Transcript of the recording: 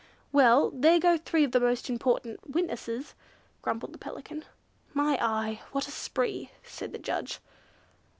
"Well, there go three of the most important witnesses," grumbled the Pelican. "My eye, what a spree!" said the judge.